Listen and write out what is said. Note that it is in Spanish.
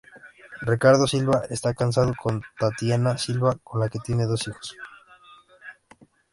Riccardo Silva está casado con Tatyana Silva, con la que tiene dos hijos.